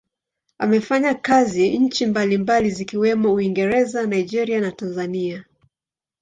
Amefanya kazi nchi mbalimbali zikiwemo Uingereza, Nigeria na Tanzania.